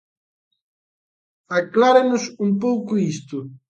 Aclárenos un pouco isto.